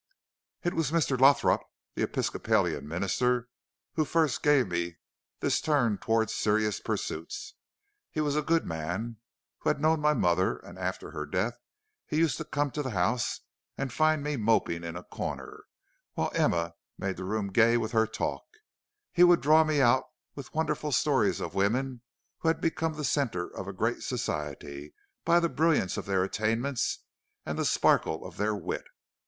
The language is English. "It was Mr. Lothrop, the Episcopalian minister, who first gave me this turn toward serious pursuits. He was a good man, who had known my mother, and after her death he used to come to the house, and finding me moping in a corner, while Emma made the room gay with her talk, he would draw me out with wonderful stories of women who had become the centre of a great society by the brilliance of their attainments and the sparkle of their wit.